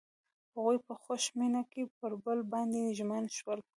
هغوی په خوښ مینه کې پر بل باندې ژمن شول.